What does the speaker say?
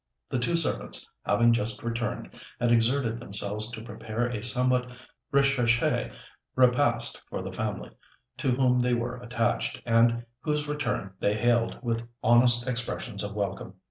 The two servants, having just returned, had exerted themselves to prepare a somewhat recherché repast for the family, to whom they were attached, and whose return they hailed with honest expressions of welcome.